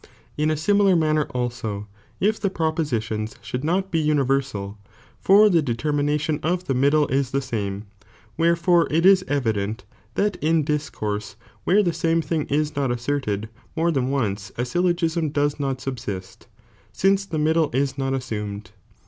In a similar manner also, if the propositions should not be universal, for the deter minalion of the middle is the aame,^ wherefore it is evident, that in discourse, where the same thing is not asserted more than once, a syllogism does not subsist, since the middle is not assumed.